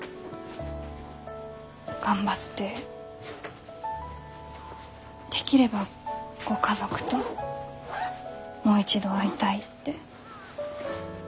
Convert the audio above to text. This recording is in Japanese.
頑張ってできればご家族ともう一度会いたいって。